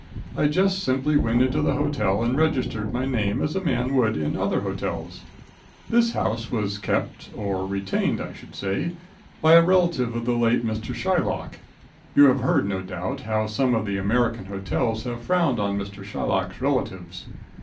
I just simply went into the hotel and registered my name as a man would in other hotels. This house was kept, or retained, I should say, by a relative of the late Mr. Shylock. You have heard, no doubt, how some of the American hotels have frowned on Mr. Shylock's relatives.